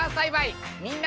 みんな。